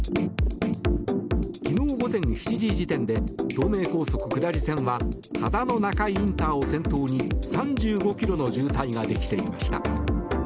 昨日午前７時時点で東名高速下り線は秦野中井ＩＣを先頭に３５ｋｍの渋滞ができていました。